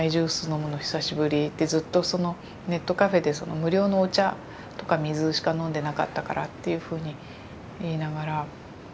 ずっとそのネットカフェで無料のお茶とか水しか飲んでなかったからっていうふうに言いながら。